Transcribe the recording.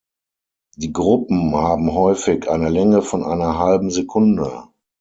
Die Gruppen haben häufig eine Länge von einer halben Sekunde.